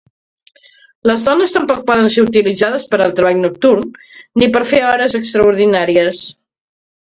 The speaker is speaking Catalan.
Les dones tampoc poden ser utilitzades per al treball nocturn ni per fer hores extraordinàries.